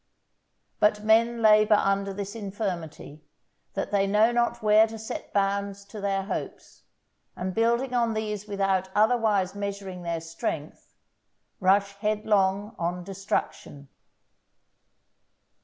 But men labour under this infirmity, that they know not where to set bounds to their hopes, and building on these without otherwise measuring their strength, rush headlong on destruction.